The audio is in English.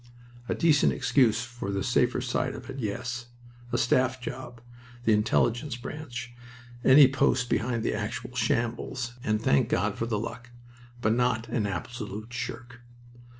A decent excuse for the safer side of it yes. A staff job, the Intelligence branch, any post behind the actual shambles and thank God for the luck. But not an absolute shirk.